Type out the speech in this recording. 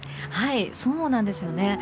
そうなんですよね。